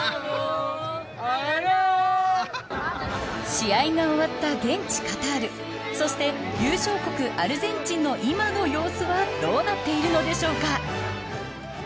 試合が終わった現地カタールそして、優勝国アルゼンチンの今の様子はどうなっているのでしょうか。